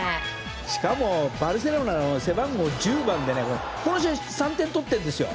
しかも、バルセロナの背番号１０番でねこの試合で３点取ってるんですよ。